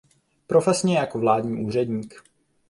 Profesně jako vládní úředník.